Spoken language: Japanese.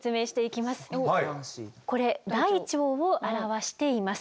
これ大腸を表しています。